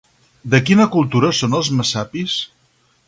De quina cultura són els messapis?